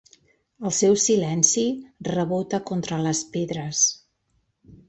El seu silenci rebota contra les pedres.